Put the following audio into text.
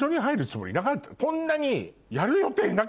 こんなに。